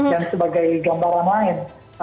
dan sebagai gambaran lain